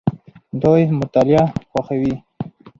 دوی مطالعه خوښوي.